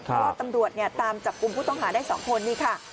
เพราะว่าตำรวจตามจับกลุ่มผู้ต้องหาได้๒คนนี่ค่ะ